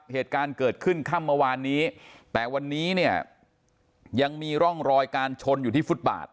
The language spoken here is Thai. เหตุการณ์เกิดขึ้นค่ำเมื่อวานนี้แต่วันนี้เนี่ยยังมีร่องรอยการชนอยู่ที่ฟุตบาท